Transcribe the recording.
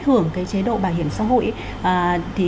hưởng chế độ bảo hiểm xã hội